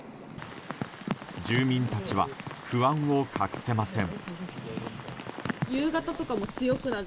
住民たちは不安を隠せません。